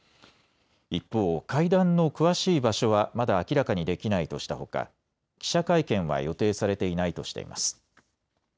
一方、会談の詳しい場所はまだ明らかにできないとしたほか記者会見は予定されていないとしています。